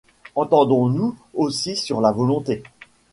Entendons-nous aussi sur la volonté.